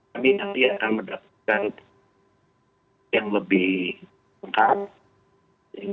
kami nanti akan mendapatkan yang lebih lengkap